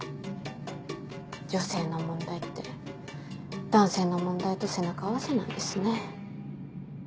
女性の問題って男性の問題と背中合わせなんですね。